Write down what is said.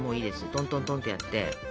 トントントンってやって。